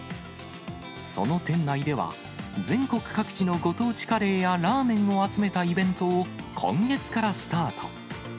その店内では、全国各地のご当地カレーやラーメンを集めたイベントを今月からスタート。